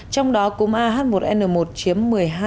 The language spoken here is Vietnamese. trong đó cúm a h một n một chiếm một mươi hai hai